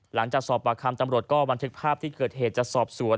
หลังจากสอบปากคำตำรวจก็บันทึกภาพที่เกิดเหตุจะสอบสวน